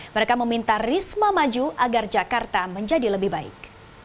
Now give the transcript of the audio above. mereka meminta risma maju agar jakarta menjadi lebih baik